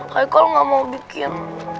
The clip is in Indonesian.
haikal gak mau bikin